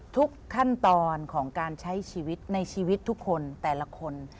ทุกขั้นตอนของการใช้ชีวิตในชีวิตทุกคนแต่ละคน